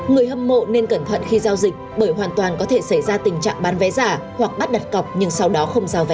người hâm mộ nên cẩn thận khi giao dịch bởi hoàn toàn có thể xảy ra tình trạng bán vé giả hoặc bắt đặt cọc nhưng sau đó không giao vé